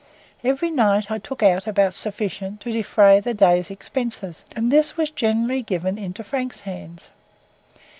Every night I took out about sufficient to defray the day's expenses, and this was generally given into Frank's hands.